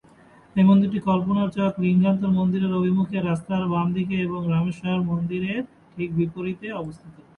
এই মন্দিরটি কল্পনা চক থেকে লিঙ্গরাজ মন্দিরের অভিমুখী রাস্তার বাম দিকে এবং রামেশ্বর মন্দিরের ঠিক বিপরীতে অবস্থিত।